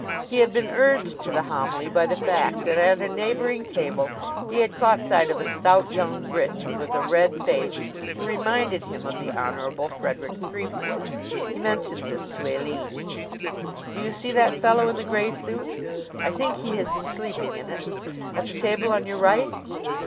He had been urged to the homily by the fact that at a neighboring table he had caught sight of a stout young Briton, with a red face, who reminded him of the Honorable Frederick Threepwood. He mentioned this to Aline. "Do you see that fellow in the gray suit I think he has been sleeping in it at the table on your right?